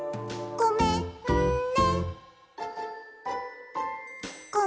「ごめんね」